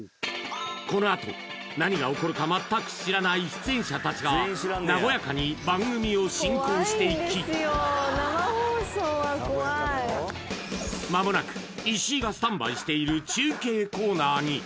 このあと何が起こるか全く知らない出演者達が和やかに番組を進行していきまもなく石井がスタンバイしている中継コーナーに！